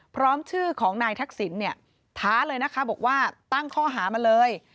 พร้อมชื่อของนายทักษิณเนี่ยท้าเลยนะคะบอกว่าตั้งข้อหามาเลย